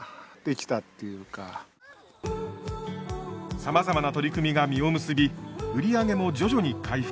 さまざまな取り組みが実を結び売り上げも徐々に回復。